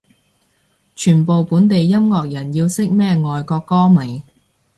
全部本地音樂人要識咩外國歌迷